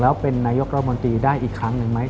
แล้วเป็นนายกรัฐมนตรีได้อีกครั้งหนึ่งไหม